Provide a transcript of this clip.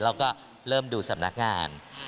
แล้วก็เริ่มดูสำนักงาน